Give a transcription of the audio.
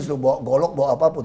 disuruh bawa golok bawa apapun